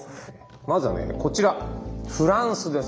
まずはこちらフランスです。